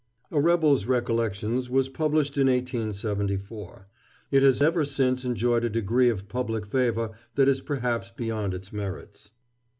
"A Rebel's Recollections" was published in 1874. It has ever since enjoyed a degree of public favor that is perhaps beyond its merits.